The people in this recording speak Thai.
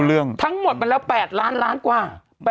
ร้านทั้งหมดมันแล้ว๘ล้านล้านกว่า